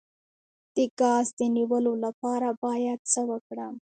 د ګاز د نیولو لپاره باید څه وکړم؟